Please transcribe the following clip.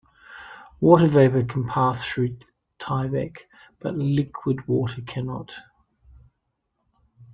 Water vapor can pass through Tyvek, but liquid water cannot.